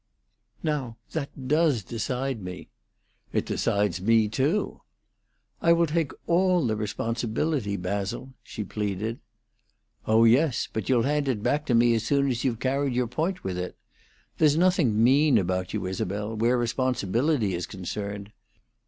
"Now, that does decide me." "It decides me, too." "I will take all the responsibility, Basil," she pleaded. "Oh yes; but you'll hand it back to me as soon as you've carried your point with it. There's nothing mean about you, Isabel, where responsibility is concerned.